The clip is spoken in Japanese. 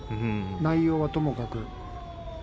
内容はともかく。